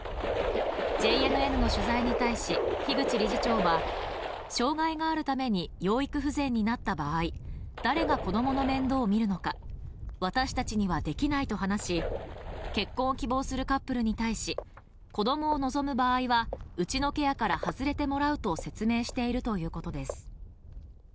ＪＮＮの取材に対し、樋口理事長は、障害があるために養育不全になった場合誰が子供の面倒を見るのか私たちにはできないと話し結婚を希望するカップルに対し子供を望む場合は、うちのケアから外れてもらうと説明しているということです。